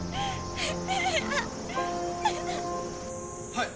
はい。